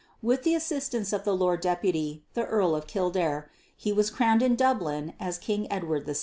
With the assistance of the Lord Deputy (the Earl of Kildare) he was crowned in Dublin as King Edward VI.